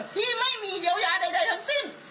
ที่ไม่มีเยียวยาใดทั้งสิ้น